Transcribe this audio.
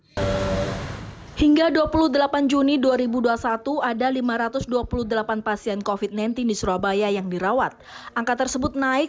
hingga dua puluh delapan juni dua ribu dua puluh satu ada lima ratus dua puluh delapan pasien covid sembilan belas di surabaya yang dirawat angka tersebut naik